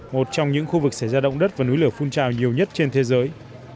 một trong những khu vực xảy ra động đất và núi lửa phun trào nhiều nhất trên thế giới